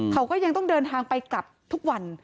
เขาก็ยังต้องเดินทางไปกลับทุกวัน